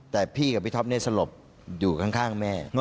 แต่พี่กับพี่ท็อปเนี่ยสลบอยู่ข้างแม่